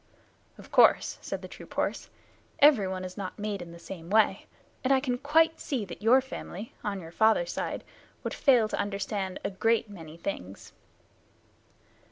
"Of course," said the troop horse, "everyone is not made in the same way, and I can quite see that your family, on your father's side, would fail to understand a great many things."